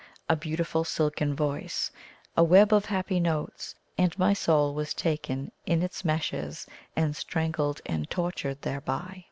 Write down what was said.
A beautiful silken voice a web of happy notes and my soul was taken in its meshes, and strangled and tortured thereby."